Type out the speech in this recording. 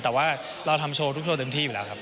แต่ว่าเราทำโชว์ทุกโชว์เต็มที่อยู่แล้วครับ